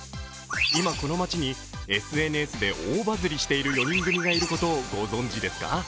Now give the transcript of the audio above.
今、この町にＳＮＳで大バズリしている４人組がいることをご存じですか？